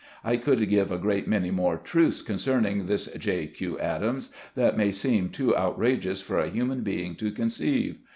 I could give a great many more truths concerning this J. Q. Adams, that may seem too outrageous for a human being to con ceive.